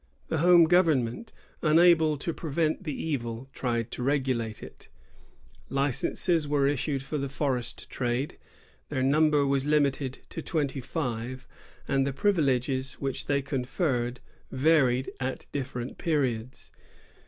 The home government, unable to prevent the evil, tried to regulate it. Licenses were issued for the forest trade.^ Their number was limited to twenty five, and the privileges which they conferred varied at different periods.